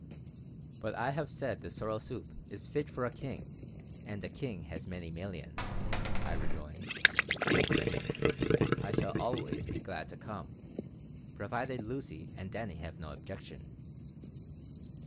"But I have said the sorrel soup is fit for a king, and a king has many millions," I rejoined. "I shall always be glad to come, provided Lucy and Dannie have no objection."